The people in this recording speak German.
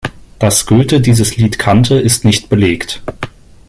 Dass Goethe dieses Lied kannte, ist nicht belegt.